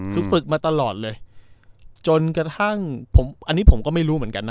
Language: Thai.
คือฝึกมาตลอดเลยจนกระทั่งอันนี้ผมก็ไม่รู้เหมือนกันนะ